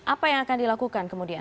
apa yang akan dilakukan kemudian